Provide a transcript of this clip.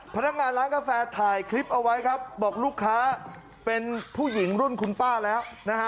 พนักงานร้านกาแฟถ่ายคลิปเอาไว้ครับบอกลูกค้าเป็นผู้หญิงรุ่นคุณป้าแล้วนะฮะ